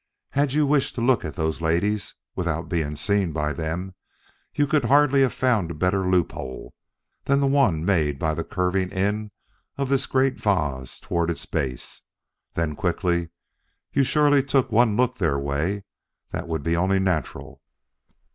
Had you wished to look at those ladies, without being seen by them, you could hardly have found a better loophole than the one made by the curving in of this great vase toward its base." Then quickly: "You surely took one look their way; that would be only natural."